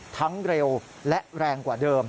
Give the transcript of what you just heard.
ทั้งเร็วและแรงกว่าเดิม